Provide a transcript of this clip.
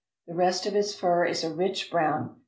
The rest of its fur is a rich brown.